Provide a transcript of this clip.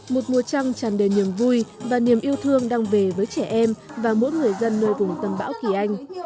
một mùa trăng tràn đầy niềm vui và niềm yêu thương đang về với trẻ em và mỗi người dân nơi vùng tâm bão kỳ anh